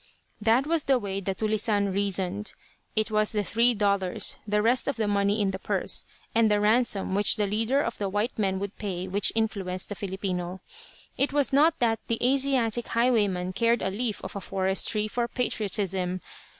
That was the way the "tulisane" reasoned. It was the three dollars, the rest of the money in the purse, and the ransom which the leader of the white men would pay, which influenced the Filipino. It was not that the Asiatic highwayman cared a leaf of a forest tree for patriotism.